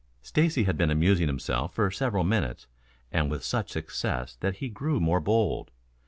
Stacy had been amusing himself for several minutes and with such success that he grew more bold.